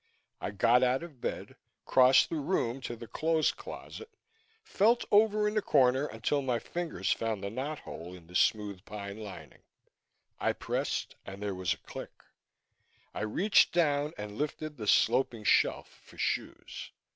I got out of bed, crossed the room to the clothes closet, felt over in the corner until my fingers found the knot hole in the smooth pine lining. I pressed and there was a click. I reached down and lifted the sloping shelf for shoes.